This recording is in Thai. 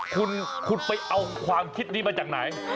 คุณไปเอาความคิดนี้มาจากไหน